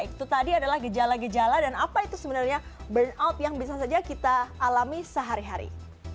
itu tadi adalah gejala gejala dan apa itu sebenarnya burnout yang bisa saja kita alami sehari hari